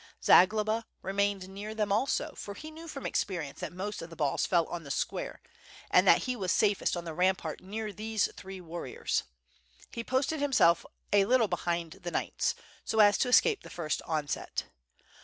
Zagloba remained near them also, for he knew from experience that most of the balls fell on the square, and that he was safest on the rampart near these three war riors. He posted himself a little behind the knights, so as to escape the first onset.